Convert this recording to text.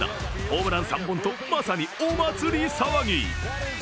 ホームラン３本と、まさにお祭り騒ぎ。